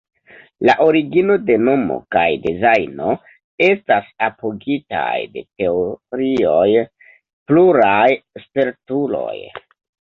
La origino de nomo kaj dezajno estas apogitaj de teorioj pluraj spertuloj.